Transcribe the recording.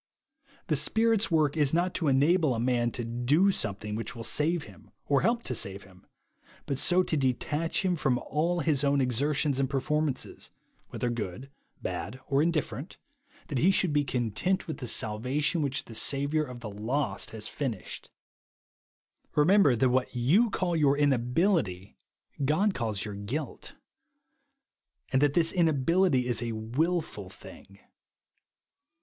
The Spirit's work is not to enable a man to do something which vrill save him or help to save him, but so to detach him from all his own exertions and performances, whether good, bad, or 148 THE AVANT OF POWER TO BETJEVE. hulilfer^nt; that he should be content with the salvation which the Saviour of the lost has finished. Remember that ivhat you call your in ahility God calls your guilt ; and that this inability is a luilful thing.